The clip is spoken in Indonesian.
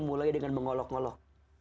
mulai dengan mengolok ngolok